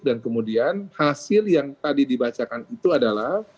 dan kemudian hasil yang tadi dibacakan itu adalah